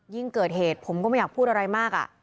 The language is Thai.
เกิดเหตุผมก็ไม่อยากพูดอะไรมาก